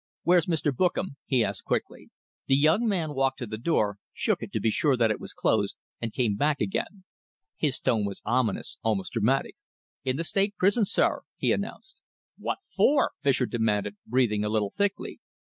"Where's Mr. Bookam?" he asked quickly. The young man walked to the door, shook it to be sure that it was closed, and came back again. His tone was ominous, almost dramatic. "In the State Prison at , sir," he announced. "What for?" Fischer demanded, breathing a little thickly.